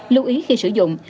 lưu ý khi sử dụng